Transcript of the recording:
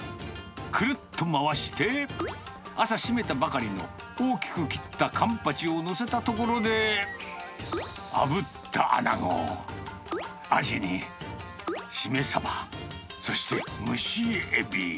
くるっと回して、朝締めたばかりの大きく切ったカンパチを載せたところで、あぶったアナゴ、アジにシメサバ、そして蒸しエビ。